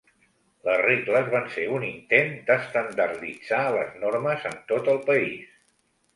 Les regles van ser un intent d'estandarditzar les normes en tot el país.